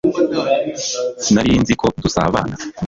Sinari nzi ko dusabana